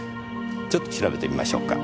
ちょっと調べてみましょうか。